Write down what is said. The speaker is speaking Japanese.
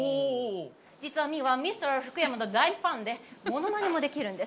実はミーはミスター福山の大ファンでものまねもできるんです。